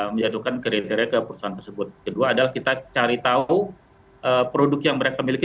menjatuhkan kriteria ke perusahaan tersebut kedua adalah kita cari tahu produk yang mereka miliki